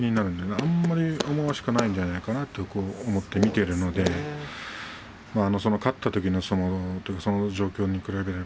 あんまり思わしくないじゃないかなと思って見ているので勝ったときの相撲の状況